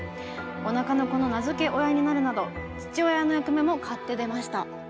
おなかの子の名付け親になるなど父親の役目も買って出ました。